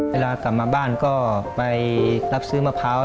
เวลากลับมาบ้านก็ไปรับซื้อมะพร้าว